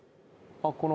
あっこの。